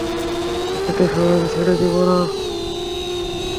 এত সহজে ছেড়ে দিব না।